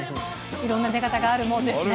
いろんな寝方があるもんですね。